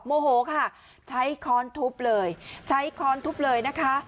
โมโหค่ะใช้ค้อนทุบเลยใช้ค้อนทุบเลยนะคะ